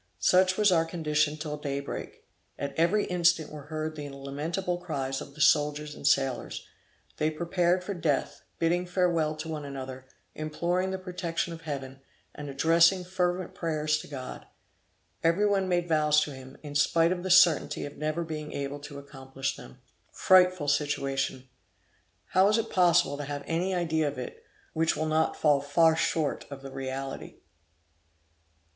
Such was our condition till daybreak. At every instant were heard the lamentable cries of the soldiers and sailors; they prepared for death, bidding farewell to one another, imploring the protection of Heaven, and addressing fervent prayers to God. Every one made vows to him, in spite of the certainty of never being able to accomplish them. Frightful situation! How is it possible to have any idea of it, which will not fall far short of the reality!